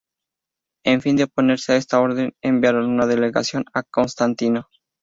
A fin de oponerse a esta orden, enviaron una delegación a Constantino.